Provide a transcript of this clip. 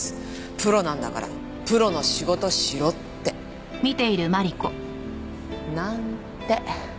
プロなんだからプロの仕事しろって。なんて。